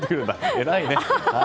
偉いね。